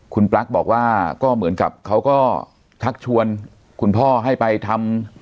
คุณปลั๊กบอกว่าก็เหมือนกับเขาก็ชักชวนคุณพ่อให้ไปทำ